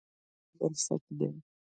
امنیت د ژوند بنسټ دی.